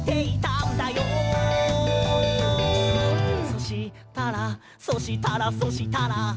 「そしたら、そしたら、そしたら」